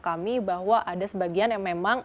kami bahwa ada sebagian yang memang